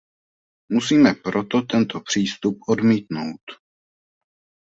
Musíme proto tento přístup odmítnout.